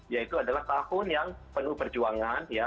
yaitu adalah tahun yang penuh perjuangan